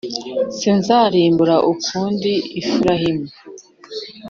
sinzarimbura ukundi Efurayimu;